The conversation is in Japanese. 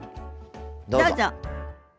どうぞ。